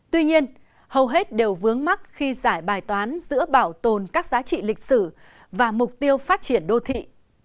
tuy nhiên hầu hết đều vướng mắt khi giải bài toán giữa bảo tồn các giá trị lịch sử và mục tiêu phát triển đô thị